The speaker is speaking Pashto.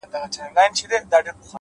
خپل ژوند د ګټورو اغېزو سرچینه وګرځوئ,